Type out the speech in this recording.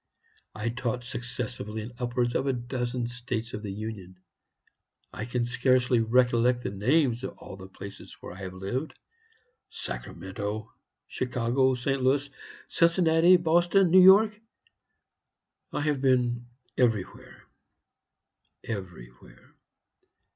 I taught successively in upwards of a dozen States of the Union. I can scarcely recollect the names of all the places where I have lived Sacramento, Chicago, St. Louis, Cincinnati, Boston, New York; I have been everywhere everywhere.